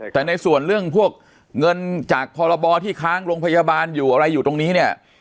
แต่ในส่วนเรื่องพวกเงินจากพรบที่ค้างโรงพยาบาลอยู่อะไรอยู่ตรงนี้เนี่ย